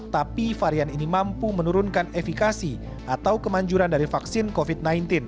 tapi varian ini mampu menurunkan efikasi atau kemanjuran dari vaksin covid sembilan belas